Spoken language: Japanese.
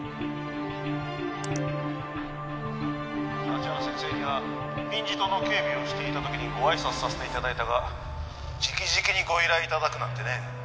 「立原先生には民事党の警備をしていた時にご挨拶させて頂いたが直々にご依頼頂くなんてね」